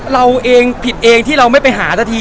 เราเองผิดเองที่เราไม่ไปหาสักที